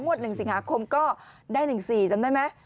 ๑สิงหาคมก็ได้๑๔จำได้ไหม